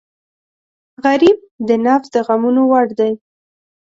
غریب د نفس د غمونو وړ دی